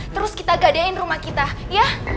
terus kita gadein rumah kita ya